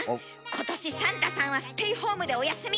今年サンタさんはステイホームでお休み！